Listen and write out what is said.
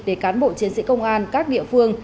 để cán bộ chiến sĩ công an các địa phương